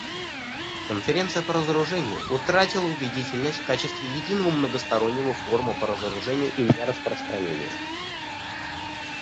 Конференция по разоружению утратила убедительность в качестве единого многостороннего форума по разоружению и нераспространению.